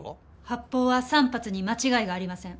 発砲は３発に間違いがありません。